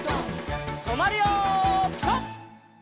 とまるよピタ！